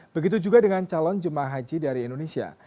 begitu juga dengan calon jemaah haji dari indonesia